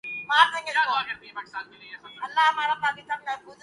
منہ سنمبھال کر بات کرو۔